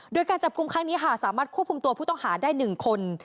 โดยการจับกลุ่มครั้งนี้ค่ะสามารถควบคุมตัวผู้ต้องหาได้๑คน